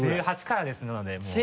１８からですなのでもう。